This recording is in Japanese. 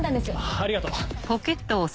ありがとう。